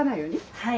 はい。